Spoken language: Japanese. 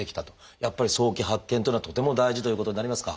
やっぱり早期発見というのはとても大事ということになりますか？